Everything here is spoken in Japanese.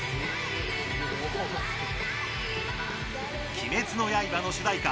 「鬼滅の刃」の主題歌